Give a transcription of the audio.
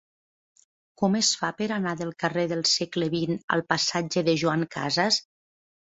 Com es fa per anar del carrer del Segle XX al passatge de Joan Casas?